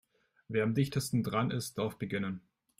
Wer am dichtesten dran ist, darf beginnen.